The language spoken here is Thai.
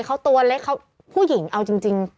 เขาตัวเล็กเขาผู้หญิงเอาจริง